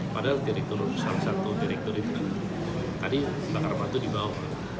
padahal direktur salah satu direktur itu kan tadi bakar batu di bawah